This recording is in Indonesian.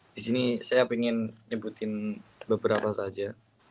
di sini saya ingin nyebutin beberapa saja